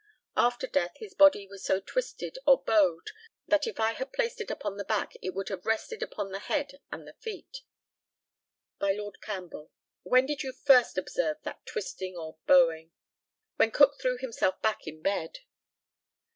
After death his body was so twisted or bowed that if I had placed it upon the back it would have rested upon the head and the feet. By Lord CAMPBELL: When did you first observe that twisting or bowing? When Cook threw himself back in bed.